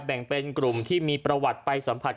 แบ่งเป็นกลุ่มที่มีประวัติไปสัมผัส